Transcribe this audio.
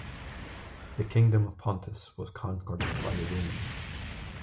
The Kingdom of Pontus was conquered by the Romans.